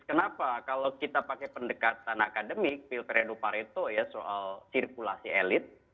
kenapa kalau kita pakai pendekatan akademik pilperedo pareto ya soal sirkulasi elit